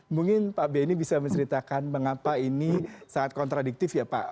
mungkin pak benny bisa menceritakan mengapa ini sangat kontradiktif ya pak